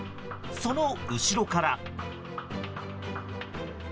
その後ろから。